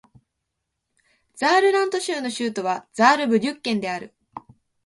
ザールラント州の州都はザールブリュッケンである